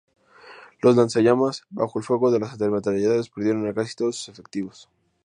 Los lanzallamas, bajo el fuego de las ametralladoras, perdieron a casi todos sus efectivos.